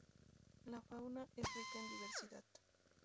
La fauna es rica en diversidad.